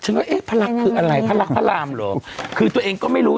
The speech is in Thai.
ว่าเอ๊ะพระรักคืออะไรพระรักพระรามเหรอคือตัวเองก็ไม่รู้